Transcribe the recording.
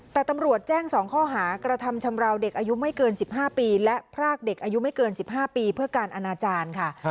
แต่ตำรวจแจ้ง๒ข้อหากระทำชำราวเด็กอายุไม่เกิน๑๕ปีและพรากเด็กอายุไม่เกิน๑๕ปีเพื่อการอนาจารย์ค่ะ